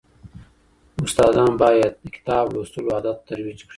استادان بايد د کتاب لوستلو عادت ترويج کړي.